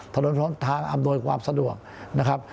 ทางอำนวยความสะดวกนะครับ